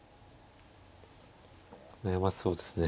悩ましそうですね。